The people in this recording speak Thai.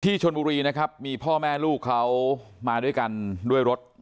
ชนบุรีนะครับมีพ่อแม่ลูกเขามาด้วยกันด้วยรถ